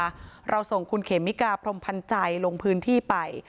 รอบหนึ่งนะคะเราส่งคุณเขมิกาพรมพันธ์ใจลงพื้นที่ไป